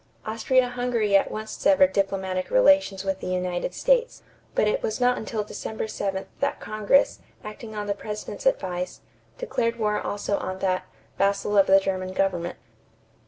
Austria Hungary at once severed diplomatic relations with the United States; but it was not until December 7 that Congress, acting on the President's advice, declared war also on that "vassal of the German government."